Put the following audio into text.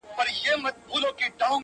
چي يې زړونه سوري كول د سركښانو!!